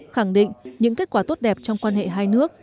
khẳng định những kết quả tốt đẹp trong quan hệ hai nước